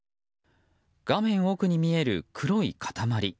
画面奥に見える黒い塊。